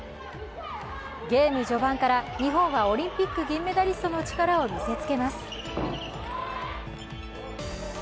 ゲーム序盤から日本はオリンピック銀メダリストの力を見せつけます。